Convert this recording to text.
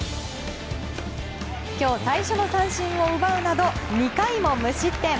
今日最初の三振を奪うなど２回も無失点。